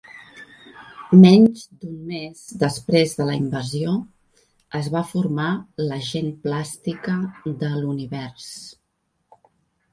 Menys d'un mes després de la invasió, es va formar la Gent Plàstica de l'Univers.